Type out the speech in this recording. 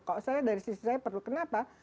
kalau saya dari sisi saya perlu kenapa